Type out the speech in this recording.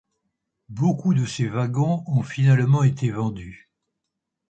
Beaucoup de ces wagons ont finalement été vendus.